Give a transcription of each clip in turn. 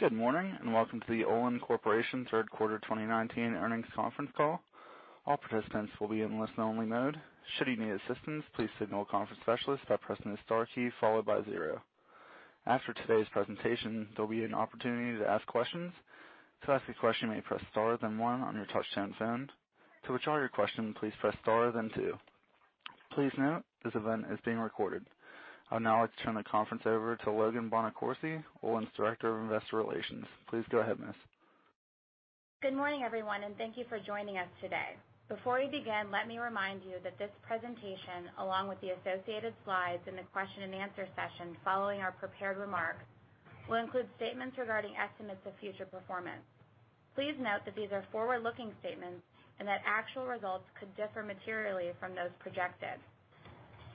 Good morning, and welcome to the Olin Corporation third quarter 2019 earnings conference call. All participants will be in listen only mode. Should you need assistance, please signal a conference specialist by pressing the star key followed by zero. After today's presentation, there'll be an opportunity to ask questions. To ask a question, you may press star, then one on your touch-tone phone. To withdraw your question, please press star, then two. Please note, this event is being recorded. I would now like to turn the conference over to Logan Bonacorsi, Olin's Director of Investor Relations. Please go ahead, miss. Good morning, everyone, and thank you for joining us today. Before we begin, let me remind you that this presentation, along with the associated slides and the question and answer session following our prepared remarks, will include statements regarding estimates of future performance. Please note that these are forward-looking statements and that actual results could differ materially from those projected.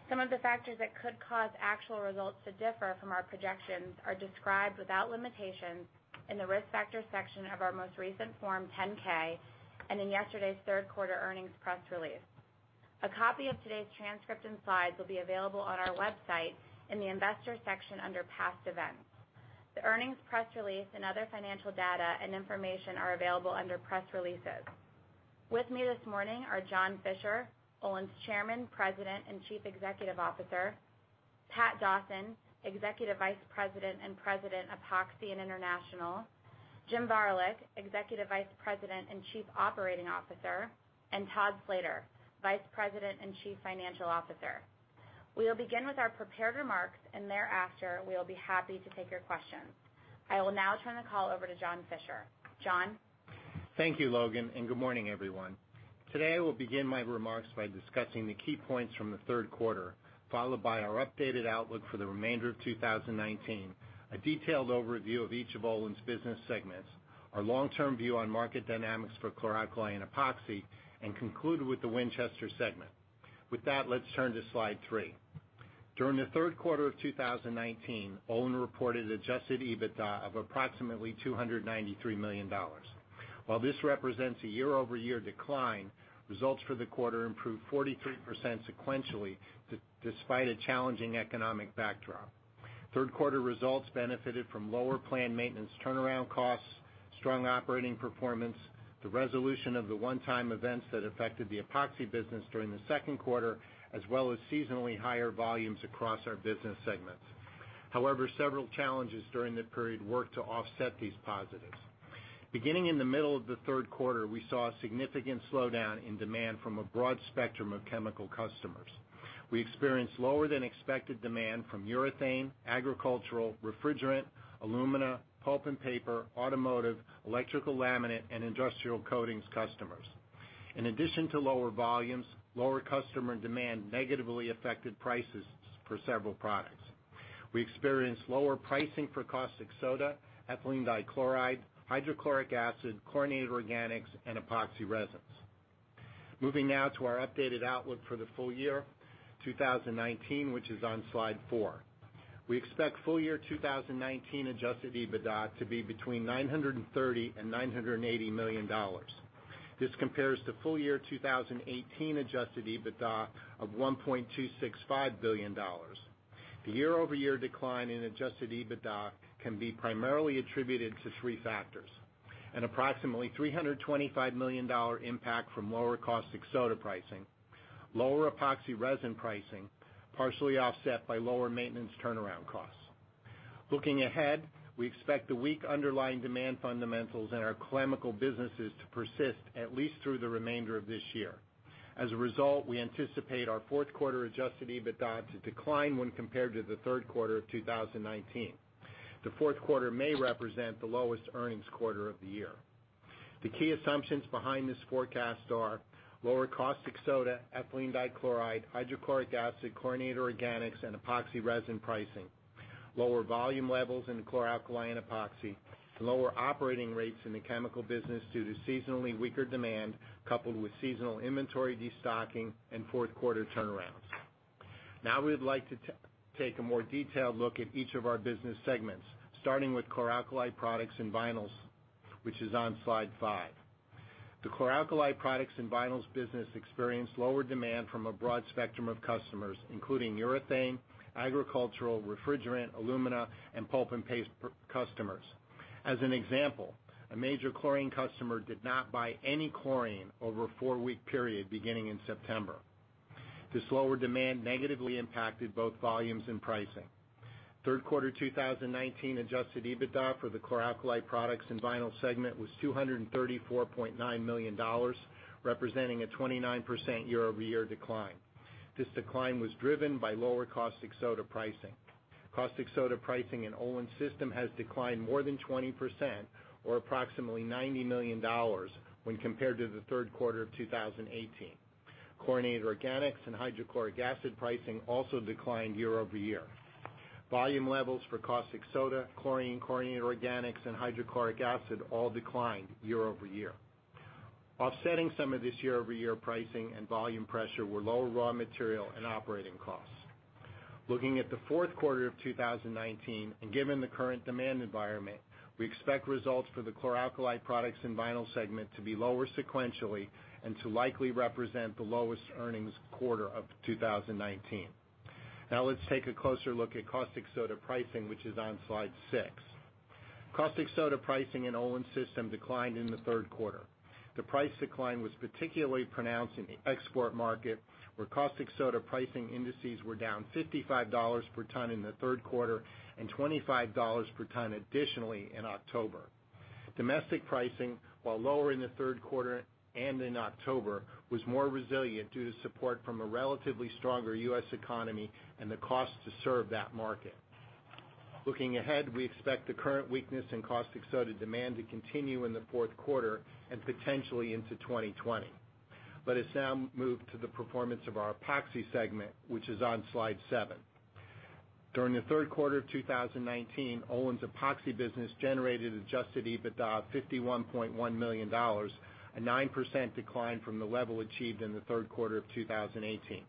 Some of the factors that could cause actual results to differ from our projections are described without limitations in the Risk Factors section of our most recent Form 10-K and in yesterday's third quarter earnings press release. A copy of today's transcript and slides will be available on our website in the Investors section under Past Events. The earnings press release and other financial data and information are available under Press Releases. With me this morning are John Fischer, Olin's Chairman, President, and Chief Executive Officer; Pat Dawson, Executive Vice President and President, Epoxy and International; Jim Varilek, Executive Vice President and Chief Operating Officer; and Todd Slater, Vice President and Chief Financial Officer. We will begin with our prepared remarks, and thereafter, we will be happy to take your questions. I will now turn the call over to John Fischer. John? Thank you, Logan, and good morning, everyone. Today, I will begin my remarks by discussing the key points from the third quarter, followed by our updated outlook for the remainder of 2019, a detailed overview of each of Olin's business segments, our long-term view on market dynamics for chlor-alkali and epoxy, and conclude with the Winchester segment. With that, let's turn to slide three. During the third quarter of 2019, Olin reported adjusted EBITDA of approximately $293 million. While this represents a year-over-year decline, results for the quarter improved 43% sequentially despite a challenging economic backdrop. Third quarter results benefited from lower planned maintenance turnaround costs, strong operating performance, the resolution of the one-time events that affected the Epoxy business during the second quarter, as well as seasonally higher volumes across our business segments. However, several challenges during the period worked to offset these positives. Beginning in the middle of the third quarter, we saw a significant slowdown in demand from a broad spectrum of chemical customers. We experienced lower than expected demand from urethane, agricultural, refrigerant, alumina, pulp and paper, automotive, electrical laminate, and industrial coatings customers. In addition to lower volumes, lower customer demand negatively affected prices for several products. We experienced lower pricing for caustic soda, ethylene dichloride, hydrochloric acid, chlorinated organics, and epoxy resins. Moving now to our updated outlook for the full year 2019, which is on slide four. We expect full year 2019 adjusted EBITDA to be between $930 million and $980 million. This compares to full year 2018 adjusted EBITDA of $1.265 billion. The year-over-year decline in adjusted EBITDA can be primarily attributed to three factors: an approximately $325 million impact from lower caustic soda pricing, lower epoxy resin pricing, partially offset by lower maintenance turnaround costs. Looking ahead, we expect the weak underlying demand fundamentals in our chemical businesses to persist at least through the remainder of this year. As a result, we anticipate our fourth quarter adjusted EBITDA to decline when compared to the third quarter of 2019. The fourth quarter may represent the lowest earnings quarter of the year. The key assumptions behind this forecast are lower caustic soda, ethylene dichloride, hydrochloric acid, chlorinated organics, and epoxy resin pricing, lower volume levels in the chlor-alkali and Epoxy, and lower operating rates in the Chemical business due to seasonally weaker demand coupled with seasonal inventory de-stocking and fourth quarter turnarounds. Now, we would like to take a more detailed look at each of our business segments, starting with chlor-alkali products and vinyls, which is on slide five. The chlor-alkali products and vinyls business experienced lower demand from a broad spectrum of customers, including urethane, agricultural, refrigerant, alumina, and pulp and paper customers. As an example, a major chlorine customer did not buy any chlorine over a four-week period beginning in September. This lower demand negatively impacted both volumes and pricing. Third quarter 2019 adjusted EBITDA for the chlor-alkali products and vinyls segment was $234.9 million, representing a 29% year-over-year decline. This decline was driven by lower caustic soda pricing. Caustic soda pricing in Olin's system has declined more than 20%, or approximately $90 million, when compared to the third quarter of 2018. chlorinated organics and hydrochloric acid pricing also declined year-over-year. Volume levels for caustic soda, chlorine, chlorinated organics, and hydrochloric acid all declined year-over-year. Offsetting some of this year-over-year pricing and volume pressure were lower raw material and operating costs. Looking at the fourth quarter of 2019, and given the current demand environment, we expect results for the Chlor Alkali Products and Vinyls segment to be lower sequentially and to likely represent the lowest earnings quarter of 2019. Now let's take a closer look at caustic soda pricing, which is on slide six. Caustic soda pricing in Olin declined in the third quarter. The price decline was particularly pronounced in the export market, where caustic soda pricing indices were down $55 per ton in the third quarter, and $25 per ton additionally in October. Domestic pricing, while lower in the third quarter and in October, was more resilient due to support from a relatively stronger U.S. economy and the cost to serve that market. Looking ahead, we expect the current weakness in caustic soda demand to continue in the fourth quarter and potentially into 2020. Let us now move to the performance of our Epoxy segment, which is on slide seven. During the third quarter of 2019, Olin's Epoxy business generated adjusted EBITDA of $51.1 million, a 9% decline from the level achieved in the third quarter of 2018.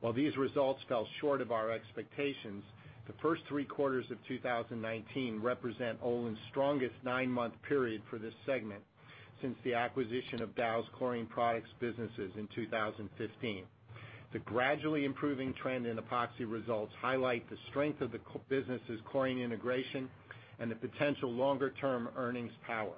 While these results fell short of our expectations, the first three quarters of 2019 represent Olin's strongest nine-month period for this segment since the acquisition of Dow Chlorine Products businesses in 2015. The gradually improving trend in Epoxy results highlight the strength of the business' chlorine integration and the potential longer-term earnings power.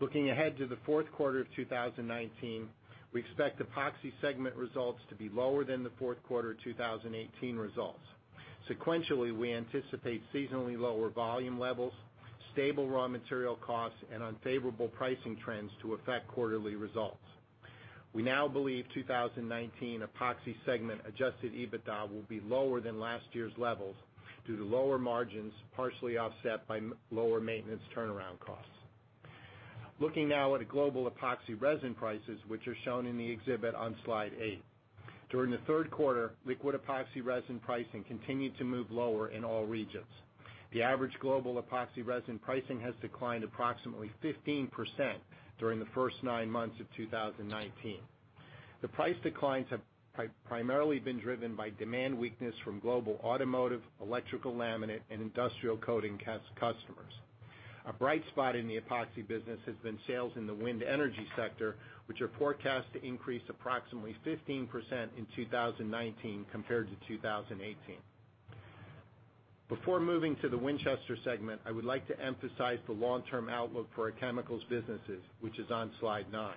Looking ahead to the fourth quarter of 2019, we expect Epoxy segment results to be lower than the fourth quarter 2018 results. Sequentially, we anticipate seasonally lower volume levels, stable raw material costs, and unfavorable pricing trends to affect quarterly results. We now believe 2019 Epoxy segment adjusted EBITDA will be lower than last year's levels due to lower margins, partially offset by lower maintenance turnaround costs. Looking now at global epoxy resin prices, which are shown in the exhibit on Slide eight. During the third quarter, liquid epoxy resin pricing continued to move lower in all regions. The average global epoxy resin pricing has declined approximately 15% during the first nine months of 2019. The price declines have primarily been driven by demand weakness from global automotive, electrical laminate, and industrial coating customers. A bright spot in the Epoxy business has been sales in the wind energy sector, which are forecast to increase approximately 15% in 2019 compared to 2018. Before moving to the Winchester segment, I would like to emphasize the long-term outlook for our chemicals businesses, which is on slide nine.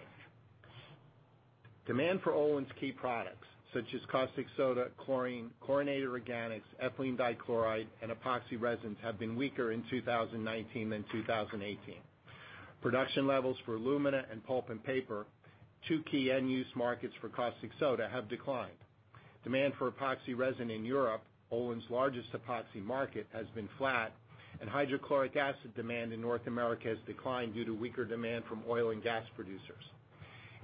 Demand for Olin's key products, such as caustic soda, chlorine, chlorinated organics, ethylene dichloride, and epoxy resins, have been weaker in 2019 than 2018. Production levels for alumina and pulp and paper, two key end-use markets for caustic soda, have declined. Demand for epoxy resin in Europe, Olin's largest epoxy market, has been flat, and hydrochloric acid demand in North America has declined due to weaker demand from oil and gas producers.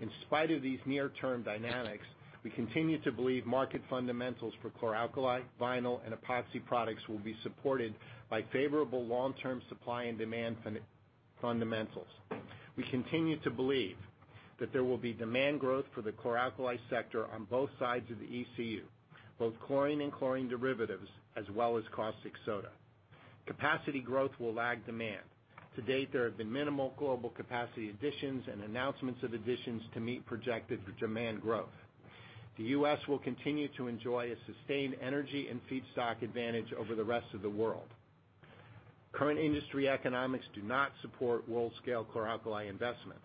In spite of these near-term dynamics, we continue to believe market fundamentals for chlor-alkali, vinyl, and epoxy products will be supported by favorable long-term supply and demand fundamentals. We continue to believe that there will be demand growth for the chlor-alkali sector on both sides of the ECU, both chlorine and chlorine derivatives, as well as caustic soda. Capacity growth will lag demand. To date, there have been minimal global capacity additions and announcements of additions to meet projected demand growth. The U.S. will continue to enjoy a sustained energy and feedstock advantage over the rest of the world. Current industry economics do not support world-scale chlor-alkali investments.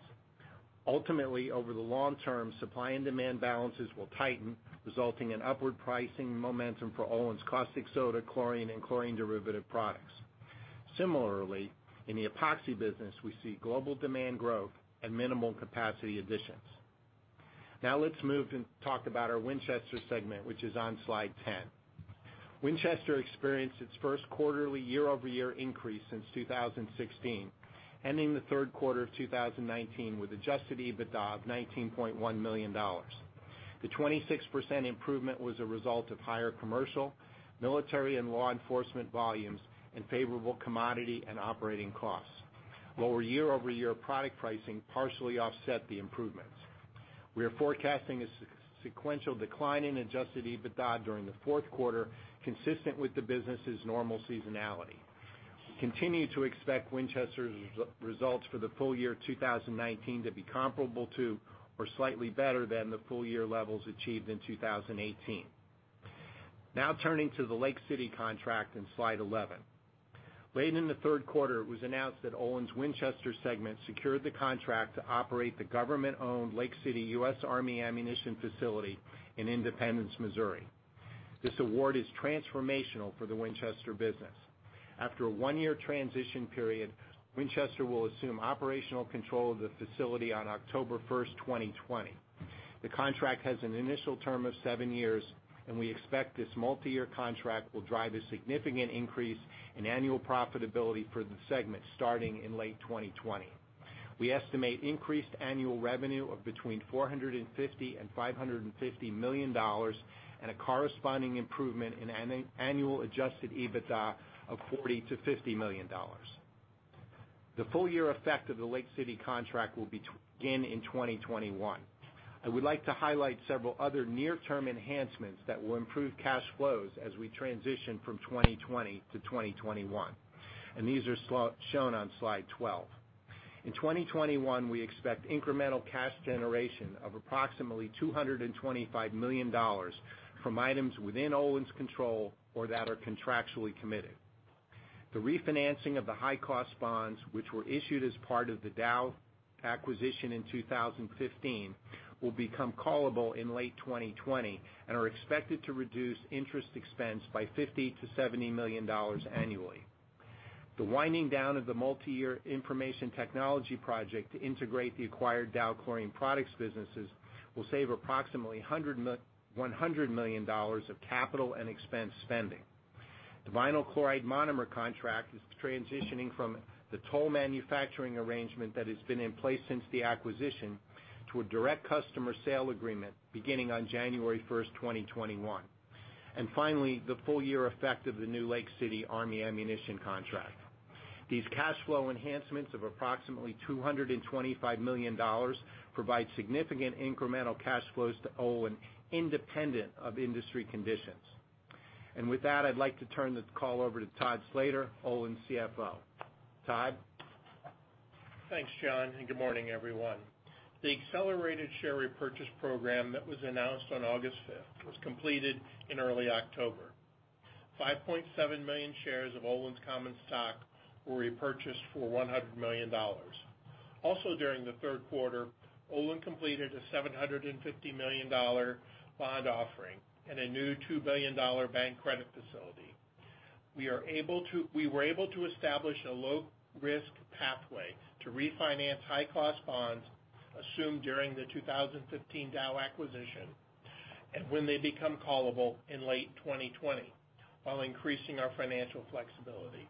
Ultimately, over the long term, supply and demand balances will tighten, resulting in upward pricing momentum for Olin's caustic soda, chlorine, and chlorine derivative products. Similarly, in the epoxy business, we see global demand growth and minimal capacity additions. Let's move and talk about our Winchester segment, which is on slide 10. Winchester experienced its first quarterly year-over-year increase since 2016, ending the third quarter of 2019 with adjusted EBITDA of $19.1 million. The 26% improvement was a result of higher commercial, military, and law enforcement volumes and favorable commodity and operating costs. Lower year-over-year product pricing partially offset the improvements. We are forecasting a sequential decline in adjusted EBITDA during the fourth quarter, consistent with the business's normal seasonality. We continue to expect Winchester's results for the full year 2019 to be comparable to or slightly better than the full year levels achieved in 2018. Turning to the Lake City contract on slide 11. Late in the third quarter, it was announced that Olin's Winchester segment secured the contract to operate the government-owned Lake City U.S. Army ammunition facility in Independence, Missouri. This award is transformational for the Winchester business. After a one-year transition period, Winchester will assume operational control of the facility on October 1st, 2020. The contract has an initial term of seven years, we expect this multi-year contract will drive a significant increase in annual profitability for the segment starting in late 2020. We estimate increased annual revenue of between $450 million and $550 million and a corresponding improvement in annual adjusted EBITDA of $40 million to $50 million. The full year effect of the Lake City contract will begin in 2021. I would like to highlight several other near-term enhancements that will improve cash flows as we transition from 2020 to 2021. These are shown on slide 12. In 2021, we expect incremental cash generation of approximately $225 million from items within Olin's control or that are contractually committed. The refinancing of the high-cost bonds, which were issued as part of the Dow acquisition in 2015, will become callable in late 2020 and are expected to reduce interest expense by $50 million to $70 million annually. The winding down of the multi-year information technology project to integrate the acquired Dow Chlorine Products businesses will save approximately $100 million of capital and expense spending. The vinyl chloride monomer contract is transitioning from the toll manufacturing arrangement that has been in place since the acquisition to a direct customer sale agreement beginning on January 1st, 2021. Finally, the full year effect of the new Lake City Army ammunition contract. These cash flow enhancements of approximately $225 million provide significant incremental cash flows to Olin independent of industry conditions. With that, I'd like to turn the call over to Todd Slater, Olin's CFO. Todd? Thanks, John, good morning, everyone. The accelerated share repurchase program that was announced on August 5th was completed in early October. 5.7 million shares of Olin's common stock were repurchased for $100 million. Also during the third quarter, Olin completed a $750 million bond offering and a new $2 billion bank credit facility. We were able to establish a low-risk pathway to refinance high-cost bonds assumed during the 2015 Dow acquisition and when they become callable in late 2020, while increasing our financial flexibility.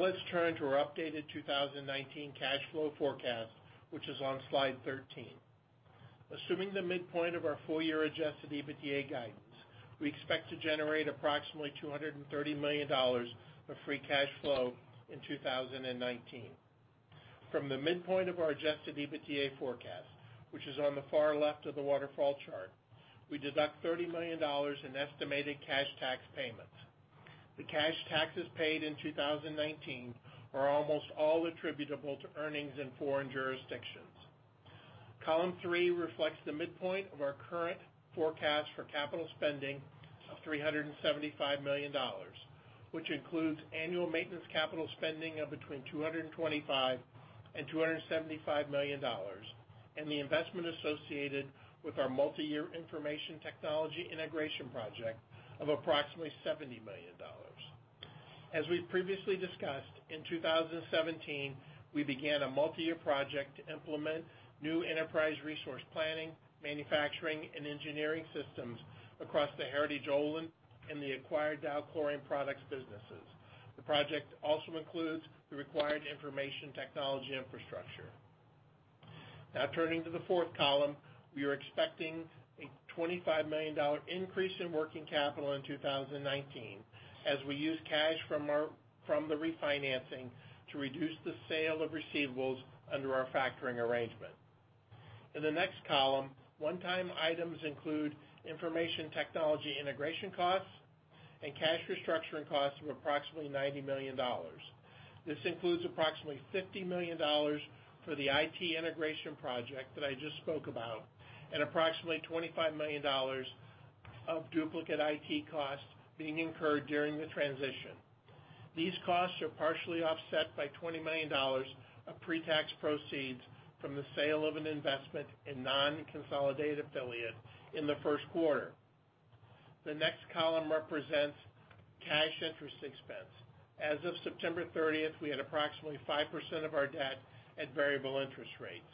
Let's turn to our updated 2019 cash flow forecast, which is on slide 13. Assuming the midpoint of our full-year adjusted EBITDA guidance, we expect to generate approximately $230 million of free cash flow in 2019. From the midpoint of our adjusted EBITDA forecast, which is on the far left of the waterfall chart, we deduct $30 million in estimated cash tax payments. The cash taxes paid in 2019 are almost all attributable to earnings in foreign jurisdictions. Column three reflects the midpoint of our current forecast for capital spending of $375 million, which includes annual maintenance capital spending of between $225 million and $275 million, and the investment associated with our multi-year information technology integration project of approximately $70 million. As we've previously discussed, in 2017, we began a multi-year project to implement new enterprise resource planning, manufacturing, and engineering systems across the heritage Olin and the acquired Dow Chlorine Products businesses. The project also includes the required information technology infrastructure. Turning to the fourth column, we are expecting a $25 million increase in working capital in 2019 as we use cash from the refinancing to reduce the sale of receivables under our factoring arrangement. In the next column, one-time items include information technology integration costs and cash restructuring costs of approximately $90 million. This includes approximately $50 million for the IT integration project that I just spoke about and approximately $25 million of duplicate IT costs being incurred during the transition. These costs are partially offset by $20 million of pre-tax proceeds from the sale of an investment in non-consolidated affiliates in the first quarter. The next column represents cash interest expense. As of September 30th, we had approximately 5% of our debt at variable interest rates.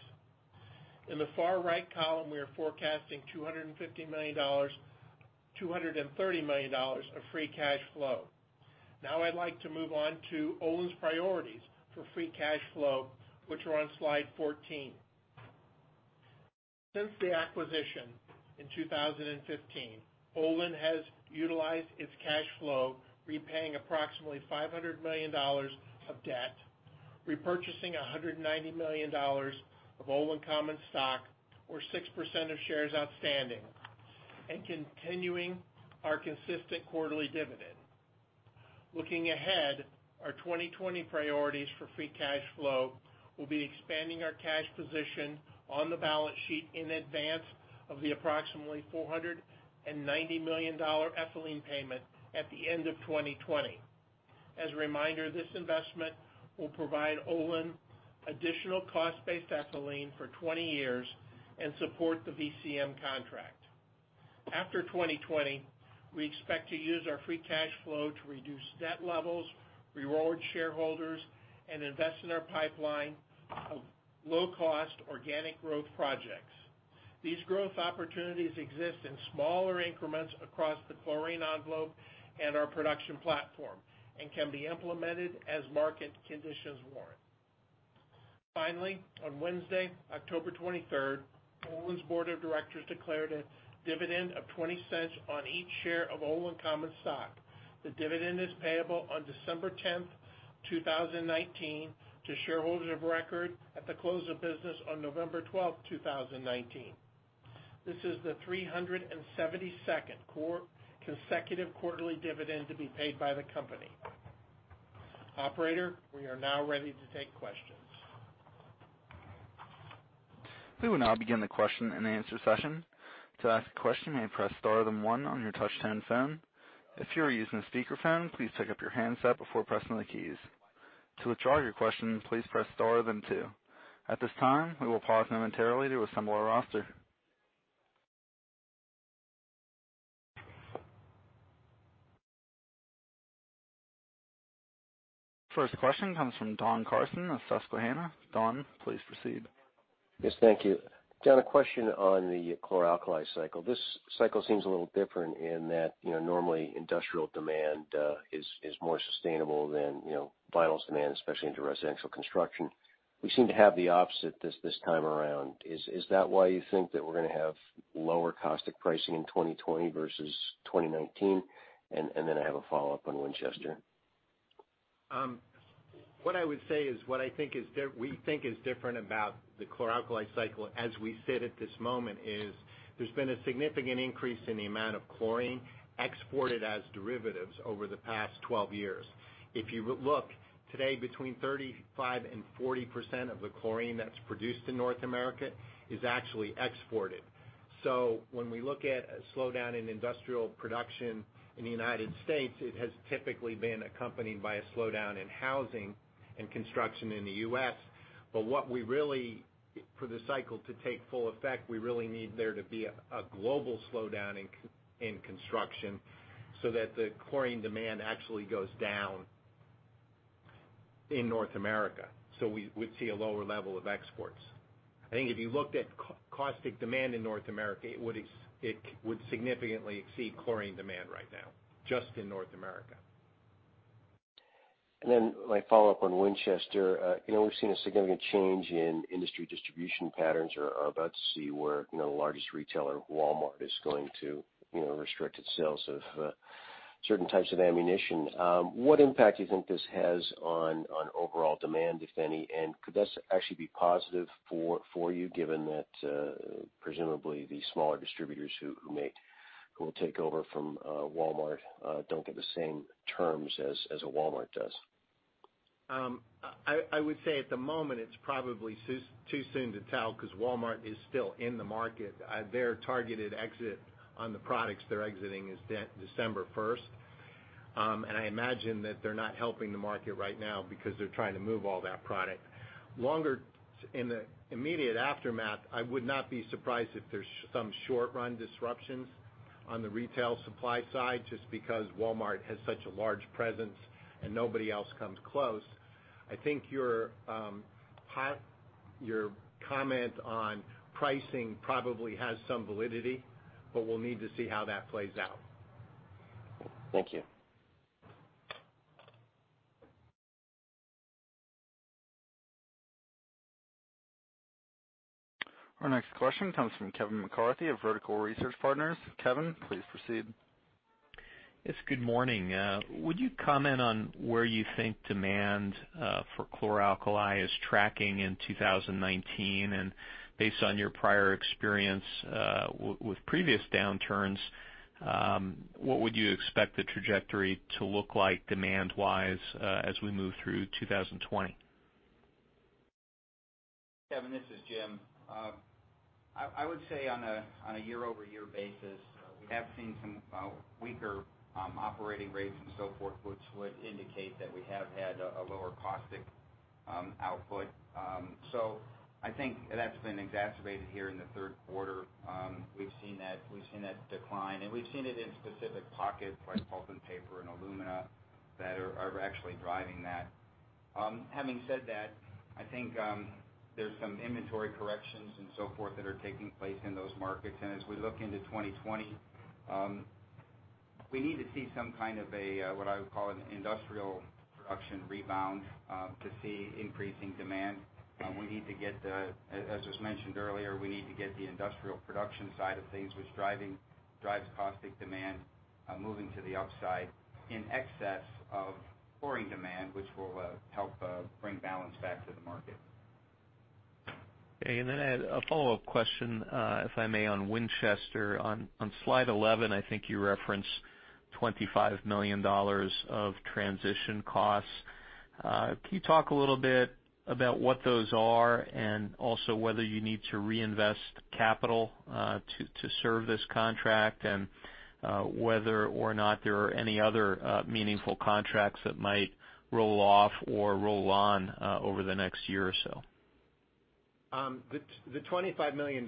In the far right column, we are forecasting $230 million of free cash flow. I'd like to move on to Olin's priorities for free cash flow, which are on slide 14. Since the acquisition in 2015, Olin has utilized its cash flow, repaying approximately $500 million of debt, repurchasing $190 million of Olin common stock, or 6% of shares outstanding, and continuing our consistent quarterly dividend. Looking ahead, our 2020 priorities for free cash flow will be expanding our cash position on the balance sheet in advance of the approximately $490 million ethylene payment at the end of 2020. As a reminder, this investment will provide Olin additional cost-based ethylene for 20 years and support the VCM contract. After 2020, we expect to use our free cash flow to reduce debt levels, reward shareholders, and invest in our pipeline of low-cost organic growth projects. These growth opportunities exist in smaller increments across the chlorine envelope and our production platform and can be implemented as market conditions warrant. Finally, on Wednesday, October 23rd, Olin's board of directors declared a dividend of $0.20 on each share of Olin common stock. The dividend is payable on December 10th, 2019, to shareholders of record at the close of business on November 12th, 2019. This is the 372nd consecutive quarterly dividend to be paid by the company. Operator, we are now ready to take questions. We will now begin the question and answer session. To ask a question, press star then one on your touch-tone phone. If you are using a speakerphone, please pick up your handset before pressing the keys. To withdraw your question, please press star then two. At this time, we will pause momentarily to assemble our roster. First question comes from Don Carson of Susquehanna. Don, please proceed. Yes, thank you. John, a question on the chlor-alkali cycle. This cycle seems a little different in that normally industrial demand is more sustainable than vinyls demand, especially into residential construction. We seem to have the opposite this time around. Is that why you think that we're going to have lower caustic pricing in 2020 versus 2019? I have a follow-up on Winchester. What I would say is what we think is different about the chlor-alkali cycle as we sit at this moment is there's been a significant increase in the amount of chlorine exported as derivatives over the past 12 years. If you look today, between 35% and 40% of the chlorine that's produced in North America is actually exported. When we look at a slowdown in industrial production in the United States, it has typically been accompanied by a slowdown in housing and construction in the U.S. For the cycle to take full effect, we really need there to be a global slowdown in construction so that the chlorine demand actually goes down in North America, so we would see a lower level of exports. I think if you looked at caustic demand in North America, it would significantly exceed chlorine demand right now, just in North America. Then my follow-up on Winchester. We've seen a significant change in industry distribution patterns. We are about to see where the largest retailer, Walmart, is going to restrict its sales of certain types of ammunition. What impact do you think this has on overall demand, if any? Could this actually be positive for you, given that presumably the smaller distributors who will take over from Walmart don't get the same terms as a Walmart does? I would say at the moment it's probably too soon to tell because Walmart is still in the market. Their targeted exit on the products they're exiting is December 1st. I imagine that they're not helping the market right now because they're trying to move all that product. In the immediate aftermath, I would not be surprised if there's some short-run disruptions on the retail supply side, just because Walmart has such a large presence and nobody else comes close. I think your comment on pricing probably has some validity, but we'll need to see how that plays out. Thank you. Our next question comes from Kevin McCarthy of Vertical Research Partners. Kevin, please proceed. Yes, good morning. Would you comment on where you think demand for chlor-alkali is tracking in 2019? Based on your prior experience with previous downturns, what would you expect the trajectory to look like demand-wise as we move through 2020? Kevin, this is Jim. I would say on a year-over-year basis, we have seen some weaker operating rates and so forth, which would indicate that we have had a lower caustic output. I think that's been exacerbated here in the third quarter. We've seen that decline, and we've seen it in specific pockets like pulp and paper and alumina that are actually driving that. Having said that, I think there's some inventory corrections and so forth that are taking place in those markets. As we look into 2020, we need to see some kind of a what I would call an industrial production rebound to see increasing demand. As was mentioned earlier, we need to get the industrial production side of things, which drives caustic demand, moving to the upside in excess of chlorine demand, which will help bring balance back to the market. Okay, and then I had a follow-up question if I may, on Winchester. On slide 11, I think you referenced $25 million of transition costs. Can you talk a little bit about what those are and also whether you need to reinvest capital to serve this contract and whether or not there are any other meaningful contracts that might roll off or roll on over the next year or so? The $25 million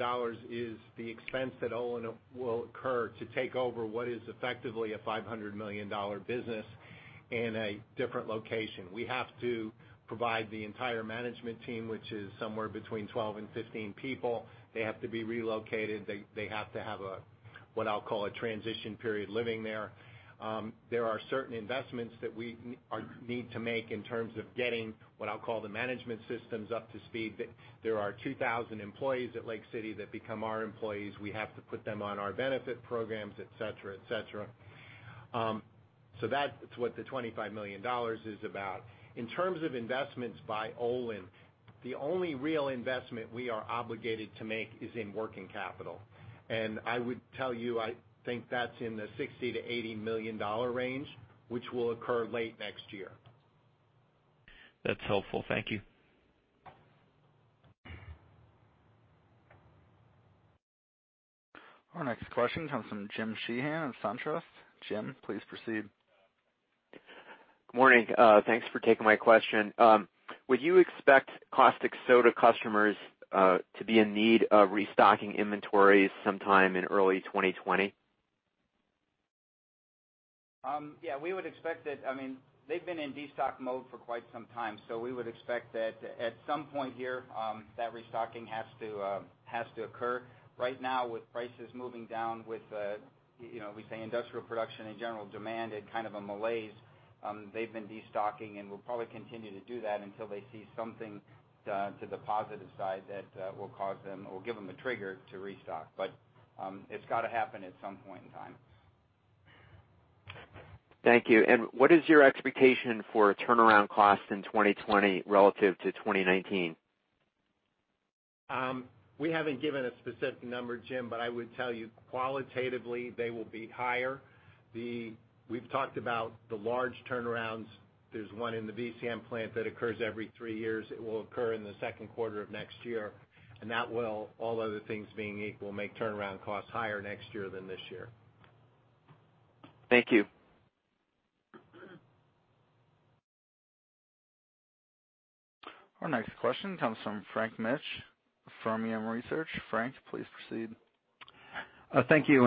is the expense that Olin will incur to take over what is effectively a $500 million business in a different location. We have to provide the entire management team, which is somewhere between 12 and 15 people. They have to be relocated. They have to have what I'll call a transition period living there. There are certain investments that we need to make in terms of getting what I'll call the management systems up to speed. There are 2,000 employees at Lake City that become our employees. We have to put them on our benefit programs, et cetera. That's what the $25 million is about. In terms of investments by Olin, the only real investment we are obligated to make is in working capital. I would tell you, I think that's in the $60 million-$80 million range, which will occur late next year. That's helpful. Thank you. Our next question comes from Jim Sheehan of SunTrust. Jim, please proceed. Good morning. Thanks for taking my question. Would you expect caustic soda customers to be in need of restocking inventories sometime in early 2020? Yeah. They've been in destock mode for quite some time, so we would expect that at some point here, that restocking has to occur. Right now with prices moving down with, we say industrial production and general demand in kind of a malaise, they've been destocking and will probably continue to do that until they see something to the positive side that will give them a trigger to restock. It's got to happen at some point in time. Thank you. What is your expectation for turnaround costs in 2020 relative to 2019? We haven't given a specific number, Jim. I would tell you qualitatively, they will be higher. We've talked about the large turnarounds. There's one in the VCM plant that occurs every three years. It will occur in the second quarter of next year, that will, all other things being equal, make turnaround costs higher next year than this year. Thank you. Our next question comes from Frank Mitsch from Fermium Research. Frank, please proceed. Thank you.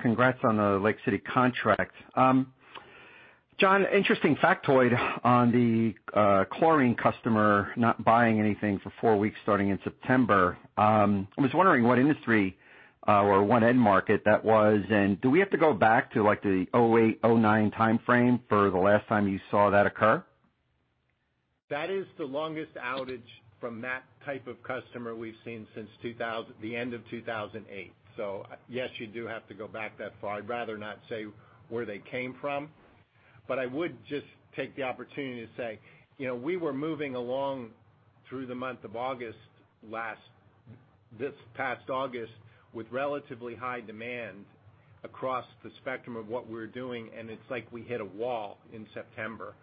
Congrats on the Lake City contract. John, interesting factoid on the chlorine customer not buying anything for four weeks starting in September. I was wondering what industry, or what end market that was. Do we have to go back to like the 2008, 2009 timeframe for the last time you saw that occur? That is the longest outage from that type of customer we've seen since the end of 2008. Yes, you do have to go back that far. I'd rather not say where they came from, but I would just take the opportunity to say, we were moving along through this past August with relatively high demand across the spectrum of what we're doing, and it's like we hit a wall in September.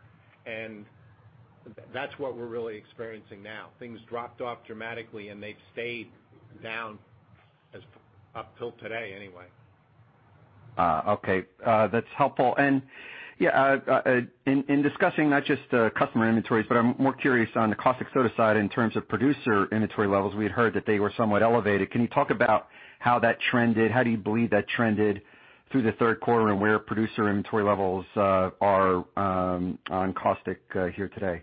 That's what we're really experiencing now. Things dropped off dramatically, and they've stayed down up till today, anyway. Okay. That's helpful. Yeah. In discussing not just customer inventories, but I'm more curious on the caustic soda side in terms of producer inventory levels. We had heard that they were somewhat elevated. Can you talk about how that trended? How do you believe that trended through the third quarter, where producer inventory levels are on caustic here today?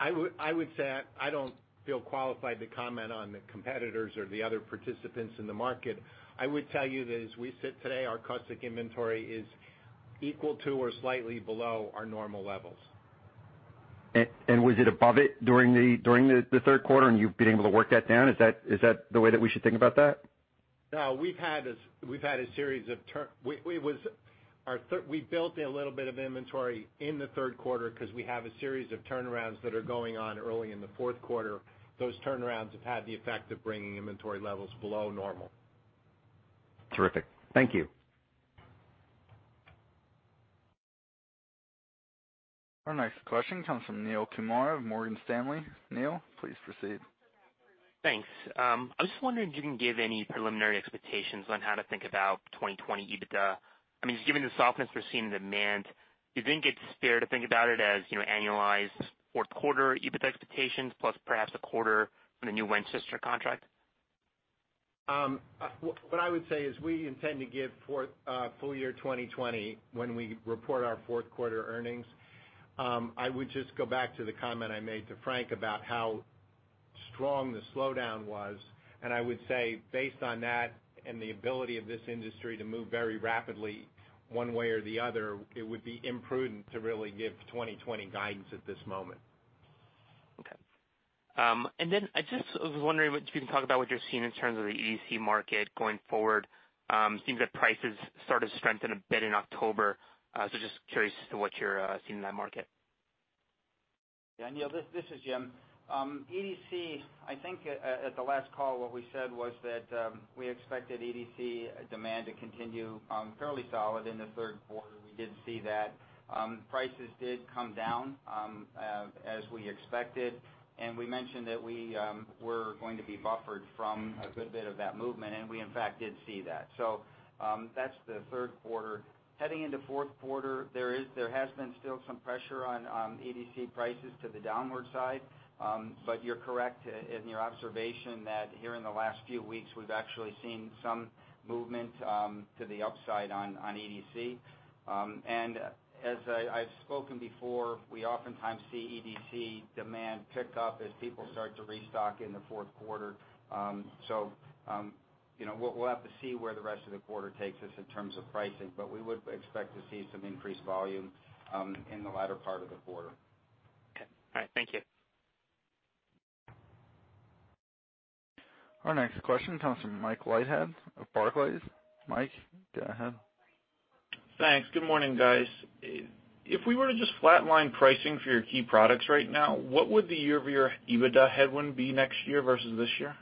I would say I don't feel qualified to comment on the competitors or the other participants in the market. I would tell you that as we sit today, our caustic inventory is equal to or slightly below our normal levels. Was it above it during the third quarter, and you've been able to work that down? Is that the way that we should think about that? We built a little bit of inventory in the third quarter because we have a series of turnarounds that are going on early in the fourth quarter. Those turnarounds have had the effect of bringing inventory levels below normal. Terrific. Thank you. Our next question comes from Neil Kumar of Morgan Stanley. Neil, please proceed. Thanks. I was just wondering if you can give any preliminary expectations on how to think about 2020 EBITDA. Given the softness we're seeing in demand, do you think it's fair to think about it as annualized fourth quarter EBITDA expectations plus perhaps a quarter on the new Winchester contract? What I would say is we intend to give full year 2020 when we report our fourth quarter earnings. I would just go back to the comment I made to Frank about how strong the slowdown was, and I would say based on that and the ability of this industry to move very rapidly one way or the other, it would be imprudent to really give 2020 guidance at this moment. Okay. I just was wondering if you can talk about what you're seeing in terms of the EDC market going forward. It seems that prices sort of strengthened a bit in October. Just curious as to what you're seeing in that market. Yeah, Neil, this is Jim. EDC, I think at the last call what we said was that we expected EDC demand to continue fairly solid in the third quarter. We did see that. Prices did come down as we expected. We mentioned that we were going to be buffered from a good bit of that movement, and we in fact did see that. That's the third quarter. Heading into fourth quarter, there has been still some pressure on EDC prices to the downward side. You're correct in your observation that here in the last few weeks, we've actually seen some movement to the upside on EDC. As I've spoken before, we oftentimes see EDC demand pick up as people start to restock in the fourth quarter. We'll have to see where the rest of the quarter takes us in terms of pricing, but we would expect to see some increased volume in the latter part of the quarter. Okay. All right. Thank you. Our next question comes from Michael Leithead of Barclays. Mike, go ahead. Thanks. Good morning, guys. If we were to just flat line pricing for your key products right now, what would the year-over-year EBITDA headwind be next year versus this year?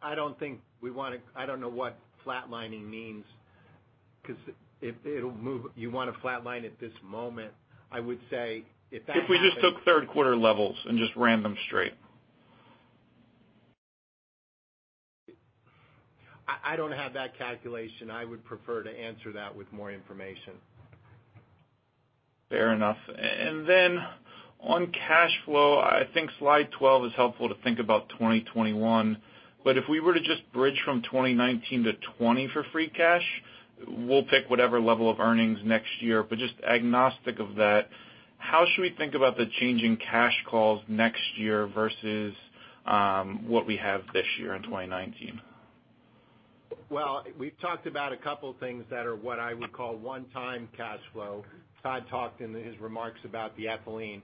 I don't know what flatlining means, because it'll move. You want to flat line at this moment, I would say if that happens. If we just took third quarter levels and just ran them straight. I don't have that calculation. I would prefer to answer that with more information. Fair enough. Then on cash flow, I think slide 12 is helpful to think about 2021. If we were to just bridge from 2019 to 2020 for free cash, we'll pick whatever level of earnings next year. Just agnostic of that, how should we think about the change in cash calls next year versus what we have this year in 2019? Well, we've talked about a couple things that are what I would call one-time cash flow. Todd talked in his remarks about the ethylene.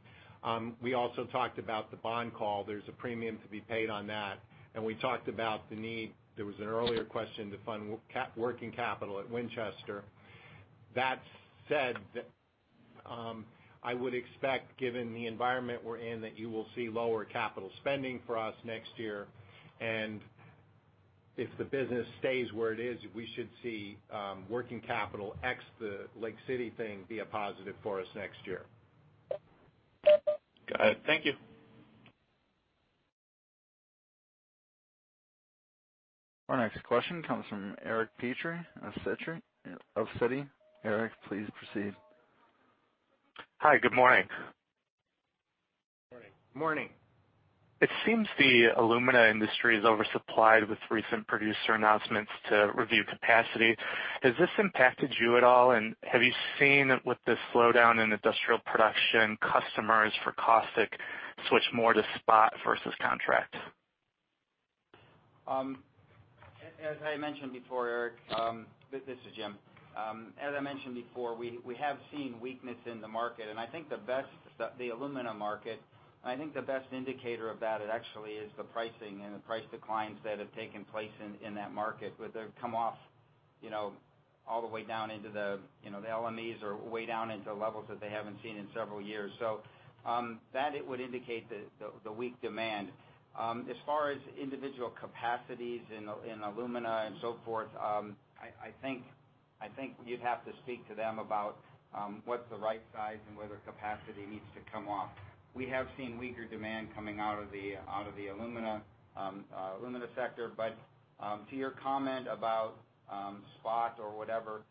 We also talked about the bond call. There's a premium to be paid on that. We talked about the need, there was an earlier question to fund working capital at Winchester. That said, I would expect, given the environment we're in, that you will see lower capital spending for us next year. If the business stays where it is, we should see working capital, ex the Lake City thing, be a positive for us next year. Got it. Thank you. Our next question comes from Eric Petrie of Citi. Eric, please proceed. Hi. Good morning. Morning. It seems the alumina industry is oversupplied with recent producer announcements to review capacity. Has this impacted you at all? Have you seen, with the slowdown in industrial production customers for caustic, switch more to spot versus contract? As I mentioned before, Eric, this is Jim. As I mentioned before, we have seen weakness in the market, the alumina market. I think the best indicator of that actually is the pricing and the price declines that have taken place in that market, where they've come off all the way down into the LME, way down into levels that they haven't seen in several years. That would indicate the weak demand. As far as individual capacities in alumina and so forth, I think you'd have to speak to them about what's the right size and whether capacity needs to come off. We have seen weaker demand coming out of the alumina sector. To your comment about spot or whatever,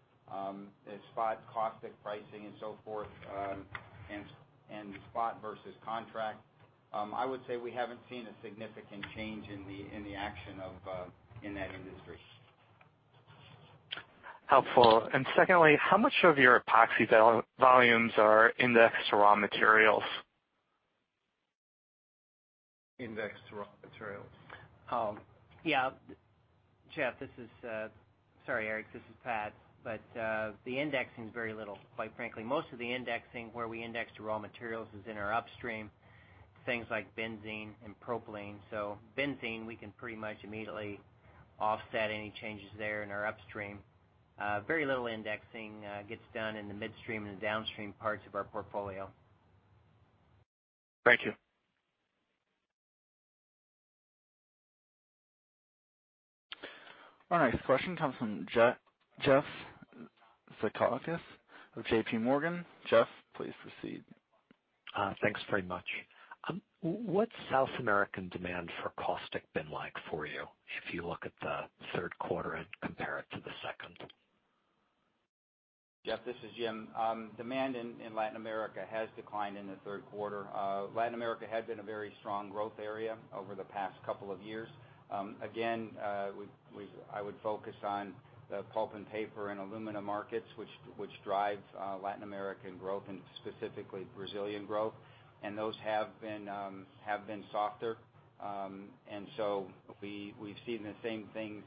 spot caustic pricing and so forth, and spot versus contract, I would say we haven't seen a significant change in the action in that industry. Helpful. Secondly, how much of your epoxy volumes are indexed to raw materials? Indexed to raw materials. Yeah. Sorry, Eric, this is Pat. The indexing is very little, quite frankly. Most of the indexing where we index to raw materials is in our upstream, things like benzene and propylene. Benzene, we can pretty much immediately offset any changes there in our upstream. Very little indexing gets done in the midstream and the downstream parts of our portfolio. Thank you. Our next question comes from Jeffrey Zekauskas of JPMorgan. Jeff, please proceed. Thanks very much. What's South American demand for caustic been like for you, if you look at the third quarter and compare it to the second? Jeff, this is Jim. Demand in Latin America has declined in the third quarter. Latin America had been a very strong growth area over the past couple of years. Again, I would focus on the pulp and paper and alumina markets, which drive Latin American growth and specifically Brazilian growth. We've seen the same things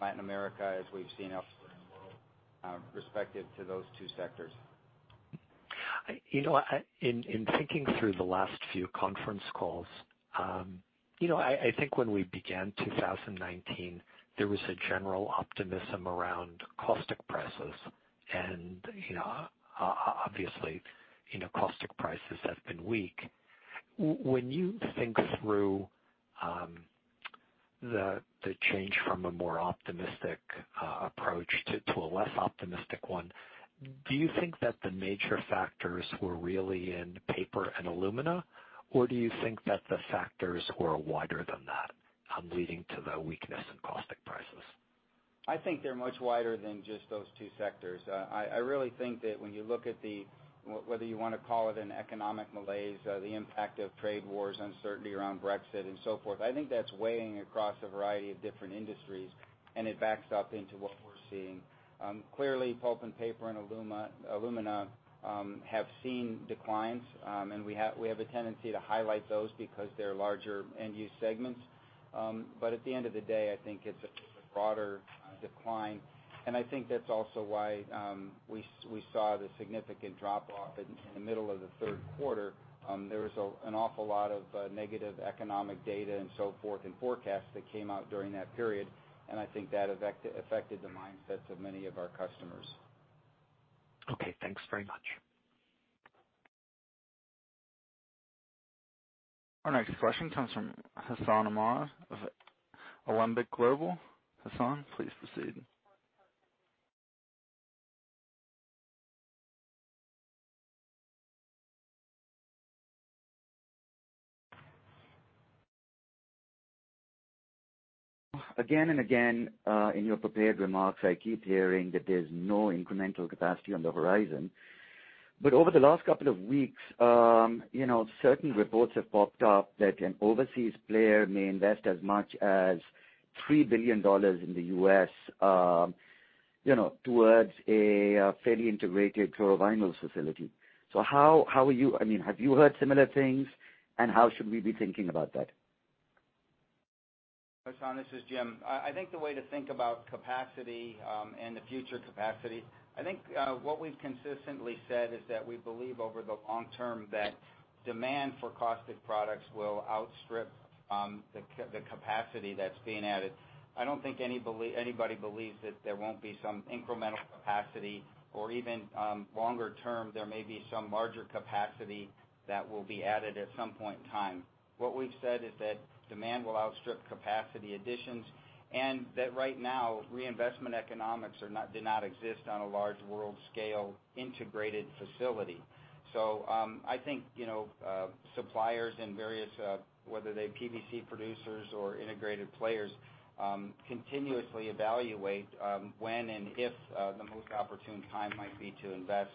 Latin America as we've seen elsewhere in the world, respective to those two sectors. In thinking through the last few conference calls, I think when we began 2019, there was a general optimism around caustic prices. Obviously, caustic prices have been weak. When you think through the change from a more optimistic approach to a less optimistic one, do you think that the major factors were really in paper and alumina, or do you think that the factors were wider than that, leading to the weakness in caustic prices? I think they're much wider than just those two sectors. I really think that when you look at the, whether you want to call it an economic malaise, the impact of trade wars, uncertainty around Brexit and so forth, I think that's weighing across a variety of different industries, and it backs up into what we're seeing. Clearly, pulp and paper and alumina have seen declines, and we have a tendency to highlight those because they're larger end-use segments. At the end of the day, I think it's a broader decline. I think that's also why we saw the significant drop-off in the middle of the third quarter. There was an awful lot of negative economic data and so forth and forecasts that came out during that period, and I think that affected the mindsets of many of our customers. Okay, thanks very much. Our next question comes from Hassan Ahmed of Alembic Global. Hassan, please proceed. Again and again, in your prepared remarks, I keep hearing that there's no incremental capacity on the horizon. Over the last couple of weeks, certain reports have popped up that an overseas player may invest as much as $3 billion in the U.S. towards a fairly integrated chlorovinyls facility. Have you heard similar things, and how should we be thinking about that? Hassan, this is Jim. I think the way to think about capacity and the future capacity, I think what we've consistently said is that we believe over the long term that demand for caustic products will outstrip the capacity that's being added. I don't think anybody believes that there won't be some incremental capacity, or even longer term, there may be some larger capacity that will be added at some point in time. What we've said is that demand will outstrip capacity additions, and that right now, reinvestment economics do not exist on a large world scale integrated facility. I think suppliers in various, whether they're PVC producers or integrated players, continuously evaluate when and if the most opportune time might be to invest.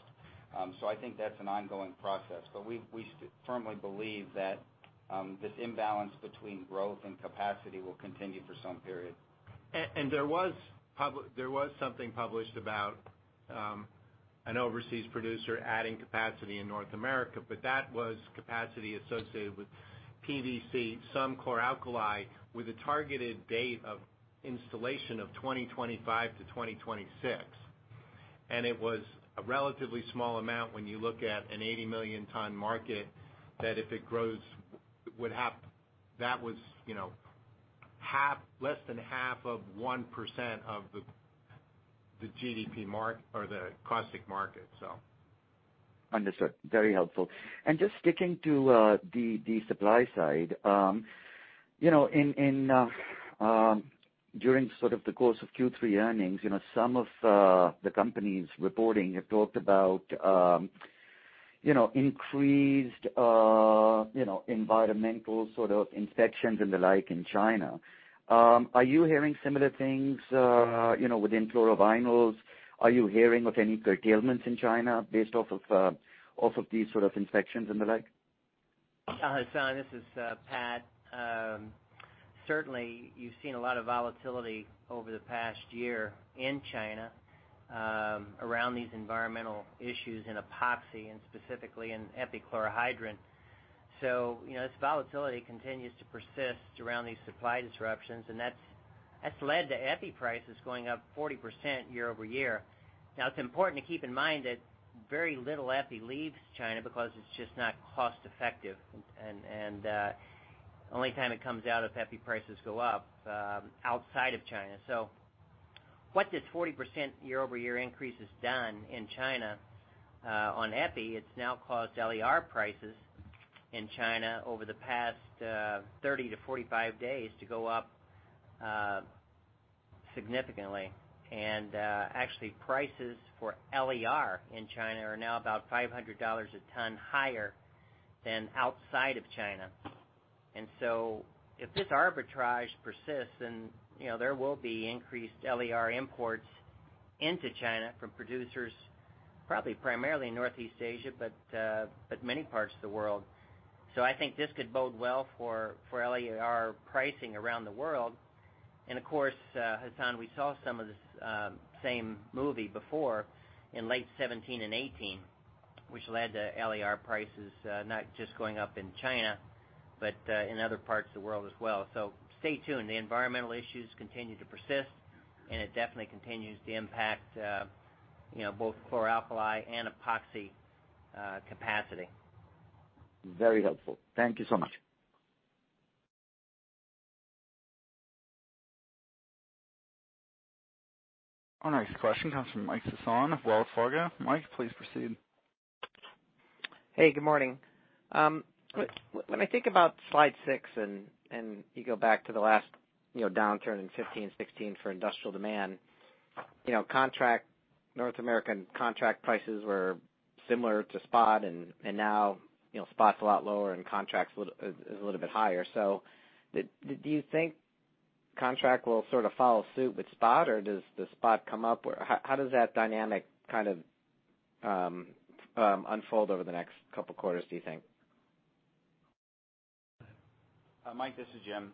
I think that's an ongoing process, but we firmly believe that this imbalance between growth and capacity will continue for some period. There was something published about an overseas producer adding capacity in North America, but that was capacity associated with PVC, some chlor-alkali, with a targeted date of installation of 2025 to 2026. It was a relatively small amount when you look at an 80-million-ton market, that if it grows, that was less than 0.5% of the caustic market. Understood. Very helpful. Just sticking to the supply side, during sort of the course of Q3 earnings, some of the companies reporting have talked about increased environmental sort of inspections and the like in China. Are you hearing similar things within chlorovinyls? Are you hearing of any curtailments in China based off of these sort of inspections and the like? Hassan, this is Pat. Certainly, you've seen a lot of volatility over the past year in China around these environmental issues in epoxy and specifically in epichlorohydrin. This volatility continues to persist around these supply disruptions, and that's led to epichlorohydrin prices going up 40% year-over-year. Now, it's important to keep in mind that very little epichlorohydrin leaves China because it's just not cost effective, and the only time it comes out if epichlorohydrin prices go up outside of China. What this 40% year-over-year increase has done in China on epichlorohydrin, it's now caused LER prices in China over the past 30 to 45 days to go up significantly. Actually, prices for LER in China are now about $500 a ton higher than outside of China. If this arbitrage persists, then there will be increased LER imports into China from producers, probably primarily in Northeast Asia, but many parts of the world. I think this could bode well for LER pricing around the world. Of course, Hassan, we saw some of the same movie before in late 2017 and 2018, which led to LER prices not just going up in China but in other parts of the world as well. Stay tuned. The environmental issues continue to persist, and it definitely continues to impact both chlor-alkali and epoxy capacity. Very helpful. Thank you so much. Our next question comes from Michael Sison of Wells Fargo. Mike, please proceed. Hey, good morning. When I think about slide six, and you go back to the last downturn in 2015, 2016 for industrial demand, North American contract prices were similar to spot and now spot's a lot lower and contract is a little bit higher. Do you think contract will sort of follow suit with spot or does the spot come up? How does that dynamic kind of unfold over the next couple quarters, do you think? Mike, this is Jim.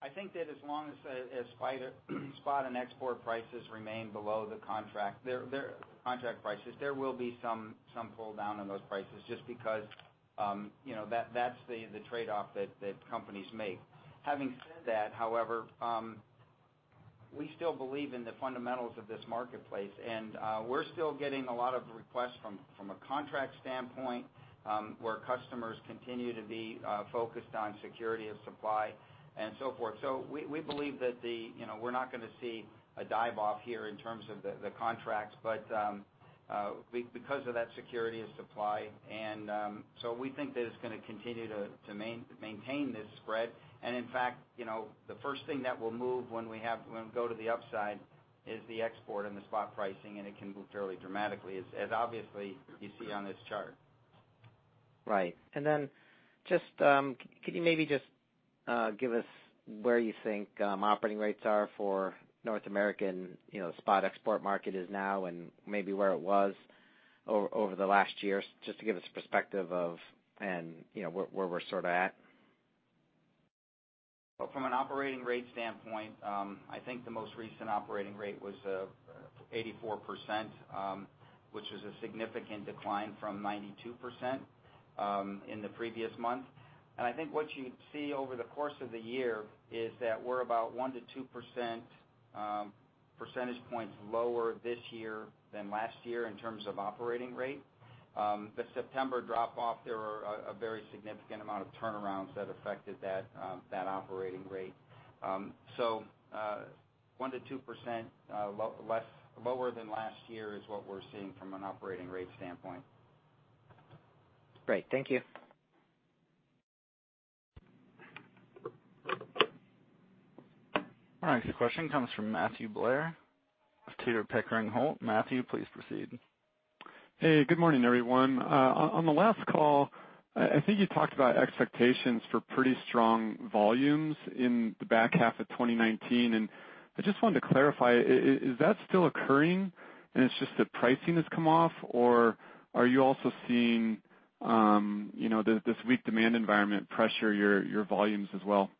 I think that as long as spot and export prices remain below the contract prices, there will be some pull down on those prices just because that's the trade-off that companies make. Having said that, however, we still believe in the fundamentals of this marketplace, and we're still getting a lot of requests from a contract standpoint, where customers continue to be focused on security of supply and so forth. We believe that we're not going to see a dive off here in terms of the contracts, but because of that security of supply. We think that it's going to continue to maintain this spread. In fact, the first thing that will move when we go to the upside is the export and the spot pricing, and it can move fairly dramatically, as obviously you see on this chart. Right. Just, could you maybe just give us where you think operating rates are for North American spot export market is now and maybe where it was over the last year, just to give us perspective of and where we're sort of at? Well, from an operating rate standpoint, I think the most recent operating rate was 84%, which is a significant decline from 92% in the previous month. I think what you'd see over the course of the year is that we're about 1%-2% percentage points lower this year than last year in terms of operating rate. The September drop-off, there were a very significant amount of turnarounds that affected that operating rate. 1%-2% lower than last year is what we're seeing from an operating rate standpoint. Great. Thank you. Our next question comes from Matthew Blair of Tudor, Pickering, Holt. Matthew, please proceed. Hey, good morning, everyone. On the last call, I think you talked about expectations for pretty strong volumes in the back half of 2019, and I just wanted to clarify. Is that still occurring and it's just the pricing has come off, or are you also seeing this weak demand environment pressure your volumes as well?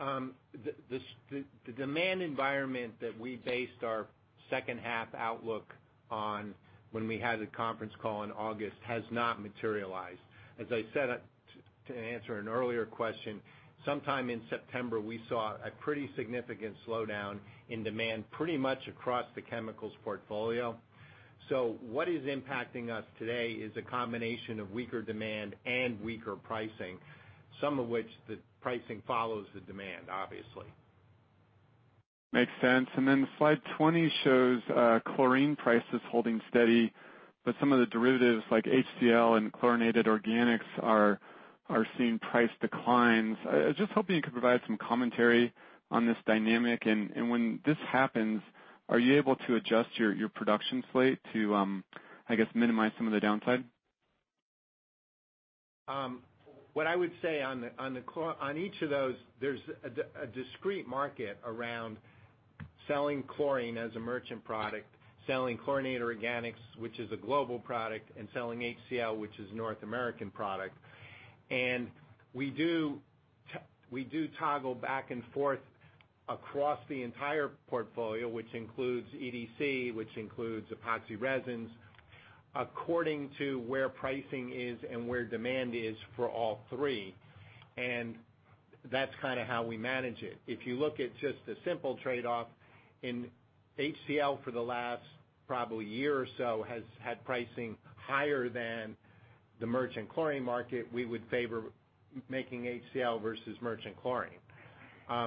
The demand environment that we based our second half outlook on when we had a conference call in August has not materialized. As I said, to answer an earlier question, sometime in September, we saw a pretty significant slowdown in demand pretty much across the chemicals portfolio. What is impacting us today is a combination of weaker demand and weaker pricing, some of which the pricing follows the demand, obviously. Makes sense. Slide 20 shows chlorine prices holding steady, but some of the derivatives, like HCl and chlorinated organics, are seeing price declines. I was just hoping you could provide some commentary on this dynamic. When this happens, are you able to adjust your production slate to, I guess, minimize some of the downside? What I would say on each of those, there's a discrete market around selling chlorine as a merchant product, selling chlorinated organics, which is a global product, and selling HCl, which is North American product. We do toggle back and forth across the entire portfolio, which includes EDC, which includes epoxy resins, according to where pricing is and where demand is for all three. That's kind of how we manage it. If you look at just a simple trade-off in HCl for the last probably year or so has had pricing higher than the merchant chlorine market, we would favor making HCl versus merchant chlorine.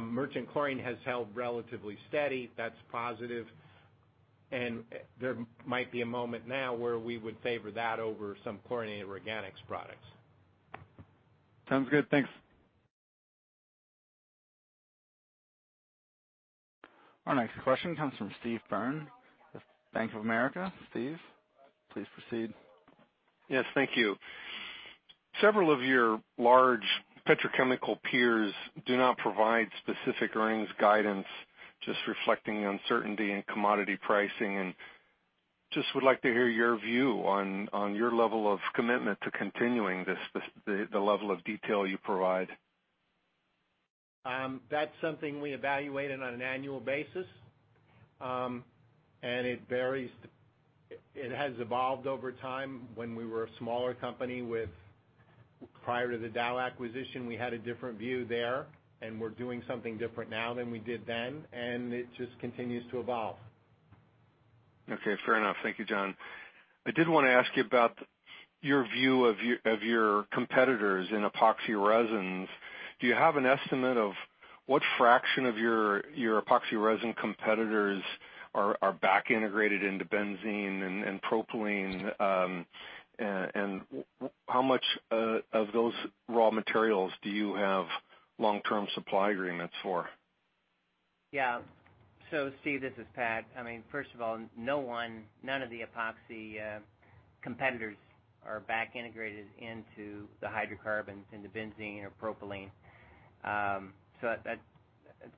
Merchant chlorine has held relatively steady. That's positive, and there might be a moment now where we would favor that over some chlorinated organics products. Sounds good. Thanks. Our next question comes from Steve Byrne with Bank of America. Steve, please proceed. Yes, thank you. Several of your large petrochemical peers do not provide specific earnings guidance, just reflecting uncertainty in commodity pricing, and just would like to hear your view on your level of commitment to continuing the level of detail you provide. That's something we evaluate on an annual basis. It varies. It has evolved over time. When we were a smaller company with prior to the Dow acquisition, we had a different view there, and we're doing something different now than we did then, and it just continues to evolve. Okay, fair enough. Thank you, John. I did want to ask you about your view of your competitors in epoxy resins. Do you have an estimate of what fraction of your epoxy resin competitors are back integrated into benzene and propylene? How much of those raw materials do you have long-term supply agreements for? Steve, this is Pat. First of all, no one, none of the epoxy competitors are back integrated into the hydrocarbons, into benzene or propylene. That's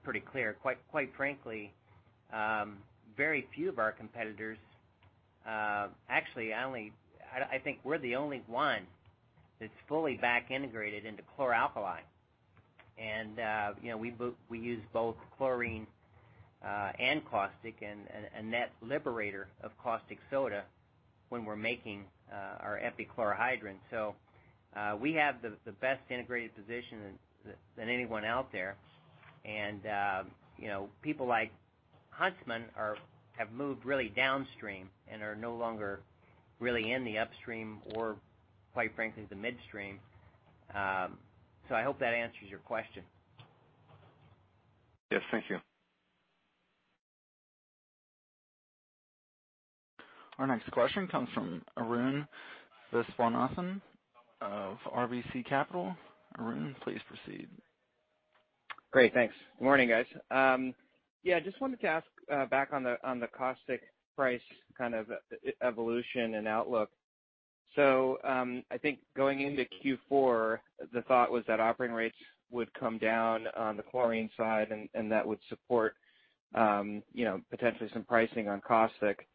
pretty clear. Quite frankly, very few of our competitors Actually, I think we're the only one that's fully back integrated into chlor-alkali. We use both chlorine and caustic and a net liberator of caustic soda when we're making our epichlorohydrin. We have the best integrated position than anyone out there. People like Huntsman have moved really downstream and are no longer really in the upstream or, quite frankly, the midstream. I hope that answers your question. Yes. Thank you. Our next question comes from Arun Viswanathan of RBC Capital. Arun, please proceed. Great, thanks. Good morning, guys. Yeah, just wanted to ask back on the caustic price kind of evolution and outlook. I think going into Q4, the thought was that operating rates would come down on the chlorine side and that would support potentially some pricing on caustic.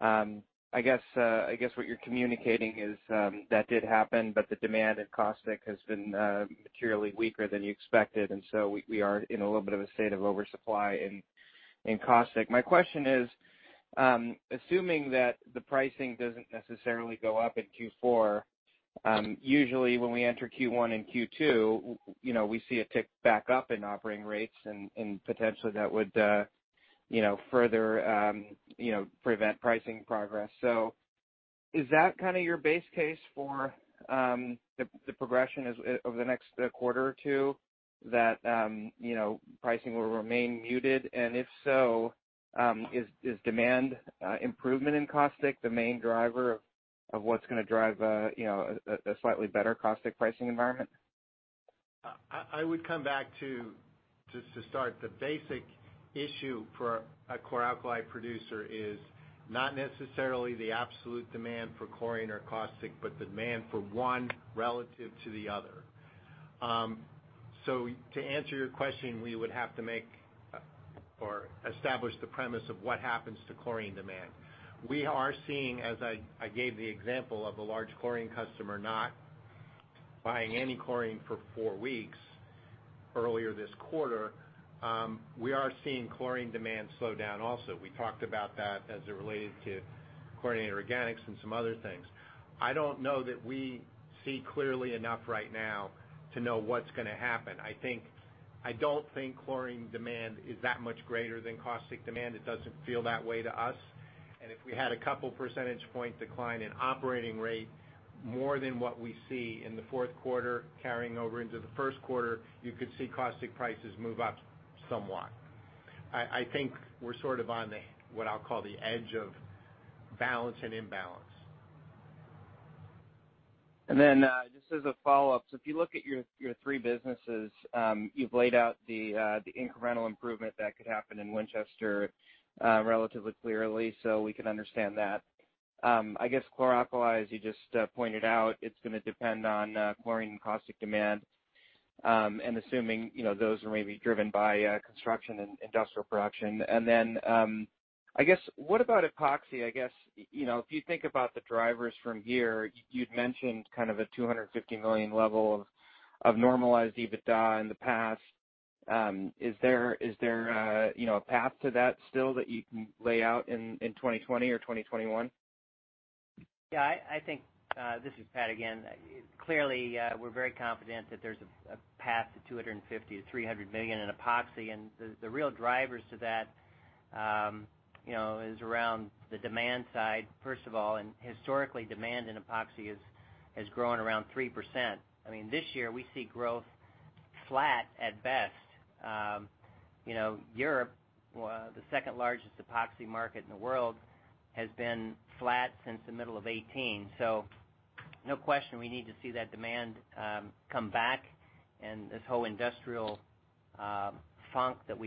I guess what you're communicating is that did happen, but the demand at caustic has been materially weaker than you expected, and so we are in a little bit of a state of oversupply in caustic. My question is, assuming that the pricing doesn't necessarily go up in Q4, usually when we enter Q1 and Q2, we see a tick back up in operating rates and potentially that would further prevent pricing progress. Is that kind of your base case for the progression over the next quarter or two, that pricing will remain muted? If so, is demand improvement in caustic the main driver of what's going to drive a slightly better caustic pricing environment? I would come back to, just to start, the basic issue for a chlor-alkali producer is not necessarily the absolute demand for chlorine or caustic, but demand for one relative to the other. To answer your question, we would have to make or establish the premise of what happens to chlorine demand. We are seeing, as I gave the example of a large chlorine customer not buying any chlorine for four weeks earlier this quarter, we are seeing chlorine demand slow down also. We talked about that as it related to chlorinated organics and some other things. I don't know that we see clearly enough right now to know what's going to happen. I don't think chlorine demand is that much greater than caustic demand. It doesn't feel that way to us. If we had a couple percentage point decline in operating rate, more than what we see in the fourth quarter carrying over into the first quarter, you could see caustic prices move up somewhat. I think we're sort of on what I'll call the edge of balance and imbalance. Just as a follow-up. If you look at your three businesses, you've laid out the incremental improvement that could happen in Winchester relatively clearly, so we can understand that. I guess chlor-alkali, as you just pointed out, it's going to depend on chlorine and caustic demand, assuming those are maybe driven by construction and industrial production. I guess, what about epoxy? I guess, if you think about the drivers from here, you'd mentioned kind of a $250 million level of normalized EBITDA in the past. Is there a path to that still that you can lay out in 2020 or 2021? This is Pat again. We're very confident that there's a path to $250 million to $300 million in epoxy. The real drivers to that is around the demand side, first of all. Historically, demand in epoxy has grown around 3%. I mean, this year we see growth flat at best. Europe, the second largest epoxy market in the world, has been flat since the middle of 2018. No question, we need to see that demand come back. This whole industrial funk that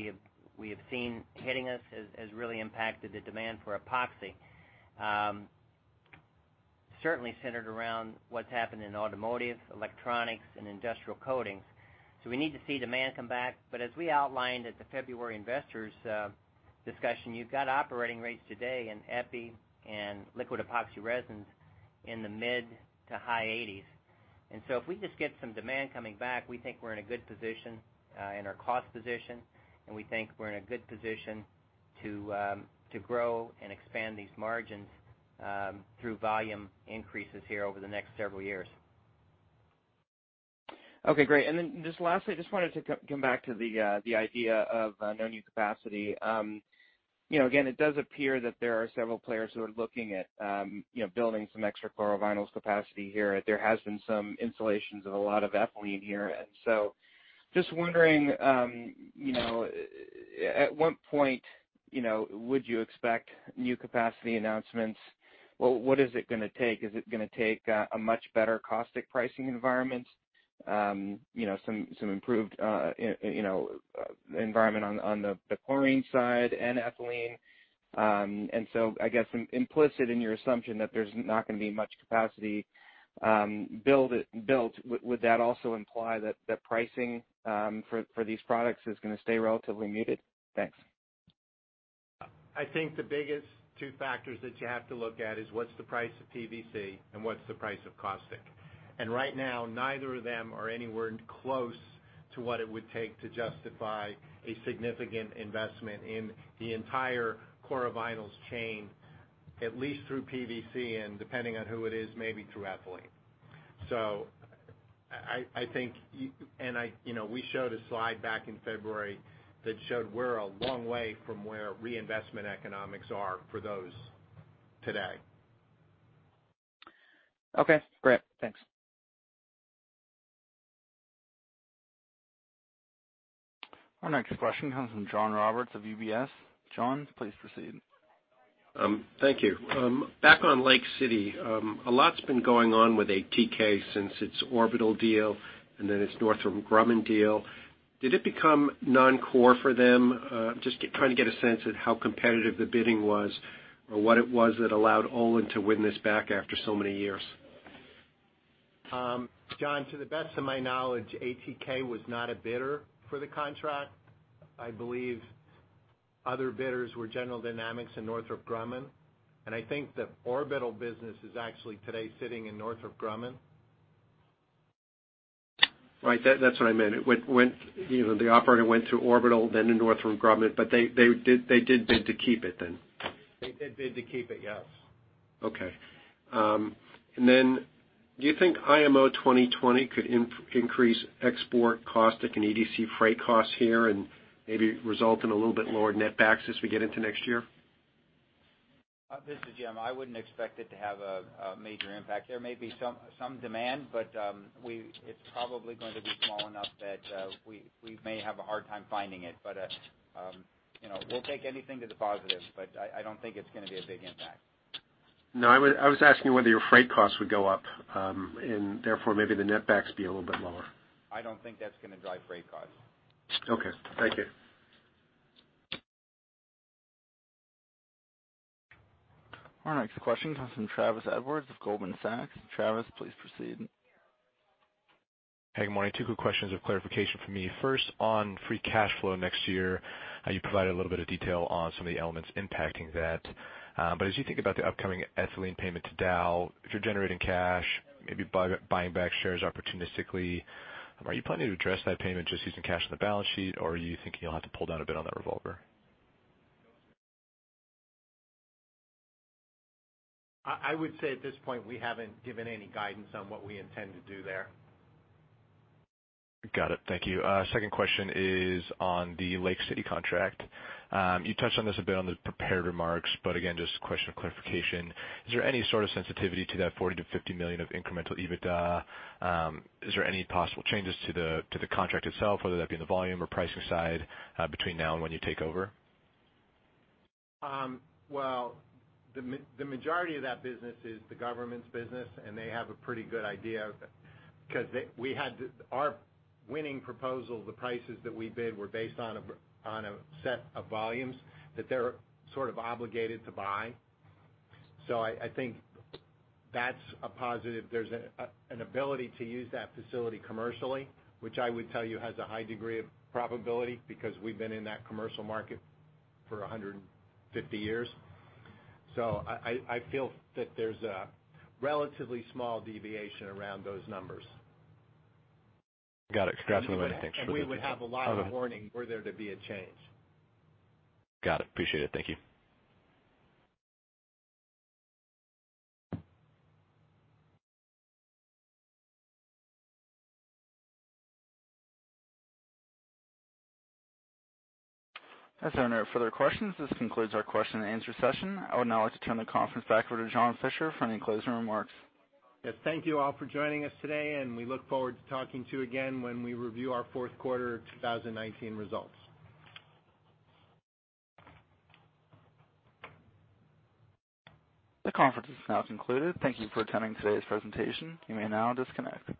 we have seen hitting us has really impacted the demand for epoxy. Certainly centered around what's happened in automotive, electronics, and industrial coatings. We need to see demand come back. As we outlined at the February investors discussion, you've got operating rates today in epichlorohydrin and liquid epoxy resins in the mid-to-high 80s. If we just get some demand coming back, we think we're in a good position in our cost position, and we think we're in a good position to grow and expand these margins through volume increases here over the next several years. Okay, great. Just lastly, just wanted to come back to the idea of no new capacity. Again, it does appear that there are several players who are looking at building some extra chlorovinyls capacity here. There has been some installations of a lot of ethylene here. Just wondering at what point would you expect new capacity announcements? What is it going to take? Is it going to take a much better caustic pricing environment, some improved environment on the chlorine side and ethylene? I guess implicit in your assumption that there's not going to be much capacity built, would that also imply that pricing for these products is going to stay relatively muted? Thanks. I think the biggest two factors that you have to look at is what's the price of PVC and what's the price of caustic. Right now, neither of them are anywhere close to what it would take to justify a significant investment in the entire chlorovinyls chain, at least through PVC, and depending on who it is, maybe through ethylene. I think, we showed a slide back in February that showed we're a long way from where reinvestment economics are for those today. Okay, great. Thanks. Our next question comes from John Roberts of UBS. John, please proceed. Thank you. Back on Lake City. A lot's been going on with ATK since its Orbital deal and then its Northrop Grumman deal. Did it become non-core for them? Just trying to get a sense of how competitive the bidding was or what it was that allowed Olin to win this back after so many years. John, to the best of my knowledge, ATK was not a bidder for the contract. I believe other bidders were General Dynamics and Northrop Grumman. I think the Orbital business is actually today sitting in Northrop Grumman. Right. That's what I meant. The operating went to Orbital, then to Northrop Grumman, but they did bid to keep it then. They did bid to keep it, yes. Okay. Do you think IMO 2020 could increase export caustic and EDC freight costs here and maybe result in a little bit lower net backs as we get into next year? This is Jim. I wouldn't expect it to have a major impact. There may be some demand, but it's probably going to be small enough that we may have a hard time finding it. We'll take anything to the positive, but I don't think it's going to be a big impact. No, I was asking whether your freight costs would go up, and therefore, maybe the net backs be a little bit lower. I don't think that's going to drive freight costs. Okay. Thank you. Our next question comes from Travis Edwards of Goldman Sachs. Travis, please proceed. Hey, good morning. Two quick questions of clarification for me. First, on free cash flow next year, you provided a little bit of detail on some of the elements impacting that. As you think about the upcoming ethylene payment to Dow, if you're generating cash, maybe buying back shares opportunistically, are you planning to address that payment just using cash on the balance sheet, or are you thinking you'll have to pull down a bit on that revolver? I would say at this point, we haven't given any guidance on what we intend to do there. Got it. Thank you. Second question is on the Lake City contract. You touched on this a bit on the prepared remarks, again, just a question of clarification. Is there any sort of sensitivity to that $40 million-$50 million of incremental EBITDA? Is there any possible changes to the contract itself, whether that be in the volume or pricing side between now and when you take over? The majority of that business is the government's business, and they have a pretty good idea. Our winning proposal, the prices that we bid were based on a set of volumes that they're sort of obligated to buy. I think that's a positive. There's an ability to use that facility commercially, which I would tell you has a high degree of probability because we've been in that commercial market for 150 years. I feel that there's a relatively small deviation around those numbers. Got it. Gotcha. We would have a lot of warning were there to be a change. Got it. Appreciate it. Thank you. As there are no further questions, this concludes our question and answer session. I would now like to turn the conference back over to John Fischer for any closing remarks. Yes. Thank you all for joining us today, and we look forward to talking to you again when we review our fourth quarter 2019 results. The conference is now concluded. Thank you for attending today's presentation. You may now disconnect.